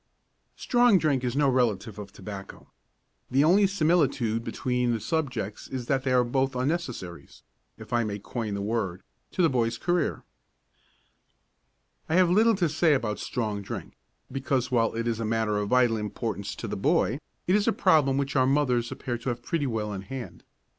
Strong drink is no relative of tobacco. The only similitude between the subjects is that they are both unnecessaries, if I may coin the word, to the boy's career. I have little to say about strong drink, because, while it is a matter of vital importance to the boy, it is a problem which our mothers appear to have pretty well in hand.